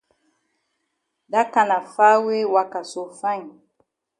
Dat kana far way waka so fine.